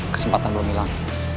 kesempatan belum hilang